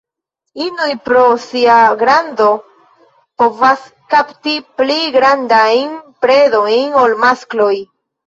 Inoj pro sia grando povas kapti pli grandajn predojn ol maskloj.